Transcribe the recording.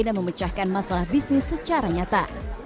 dan memecahkan masalah bisnis secara nyata